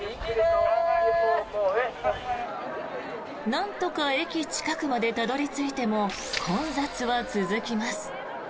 なんとか駅近くまでたどり着いても混雑は続きます。